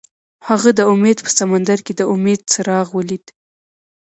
هغه د امید په سمندر کې د امید څراغ ولید.